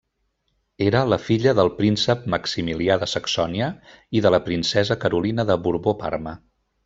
Era la filla del príncep Maximilià de Saxònia i de la princesa Carolina de Borbó-Parma.